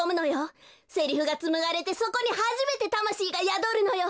セリフがつむがれてそこにはじめてたましいがやどるのよ。